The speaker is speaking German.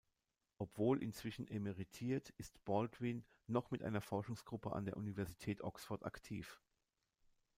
Obwohl inzwischen emeritiert, ist Baldwin noch mit einer Forschungsgruppe an der Universität Oxford aktiv.